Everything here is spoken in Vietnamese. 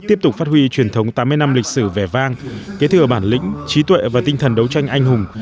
tiếp tục phát huy truyền thống tám mươi năm lịch sử vẻ vang kế thừa bản lĩnh trí tuệ và tinh thần đấu tranh anh hùng